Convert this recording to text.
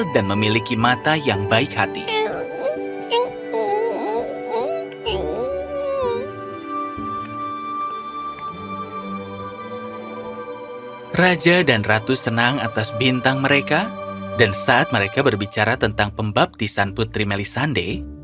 dan saat mereka berbicara tentang pembaptisan putri melisande